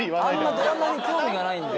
ドラマに興味がないんで。